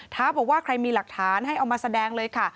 บอกว่าใครมีหลักฐานให้เอามาแสดงเลยค่ะ